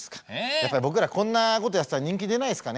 やっぱり僕らこんなことやってたら人気出ないですかね？